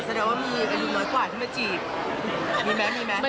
แสดงว่ามีกว่ากว่าที่มาจีบมีมั้ย